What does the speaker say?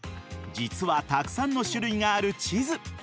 実はたくさんの種類がある地図。